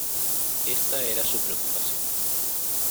Esta era su preocupación.